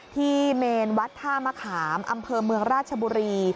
เมนวัดท่ามะขามอำเภอเมืองราชบุรี